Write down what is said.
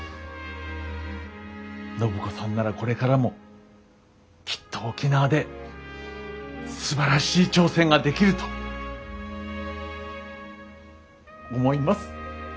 暢子さんならこれからもきっと沖縄ですばらしい挑戦ができると思います。